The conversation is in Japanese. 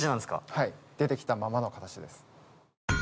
はい出て来たままの形です。